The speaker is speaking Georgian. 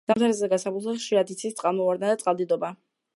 ზამთარსა და გაზაფხულზე ხშირად იცის წყალმოვარდნა და წყალდიდობა.